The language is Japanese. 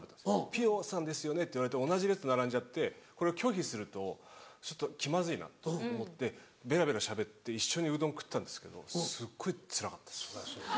「ピヨさんですよね」って言われて同じ列並んじゃってこれは拒否するとちょっと気まずいなと思ってベラベラしゃべって一緒にうどん食ったんですけどすっごいつらかったです。